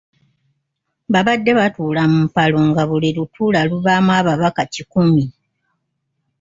Babadde batuula mu mpalo nga buli lutuula lubaamu ababaka kikumi.